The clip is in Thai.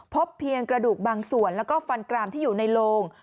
พบเพียงกระดูกบางส่วนแล้วก็ฟันกรามที่อยู่ในโลง